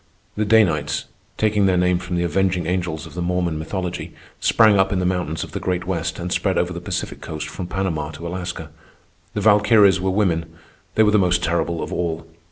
The Danites, taking their name from the avenging angels of the Mormon mythology, sprang up in the mountains of the Great West and spread over the Pacific Coast from Panama to Alaska. The Valkyries were women. They were the most terrible of all.